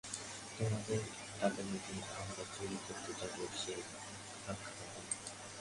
তোমাদের টাকা যদি আমরা চুরি করি তবেই সে টাকা রক্ষা পাবে।